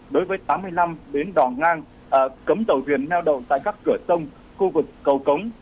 đối với tám mươi năm đến đòn ngang cấm tàu thuyền neo đầu tại các cửa sông khu vực cầu cống